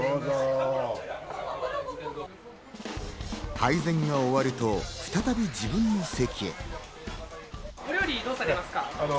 配膳が終わると、再び自分の席へ。